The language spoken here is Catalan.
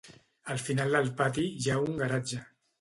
Al final del pati hi ha un garatge.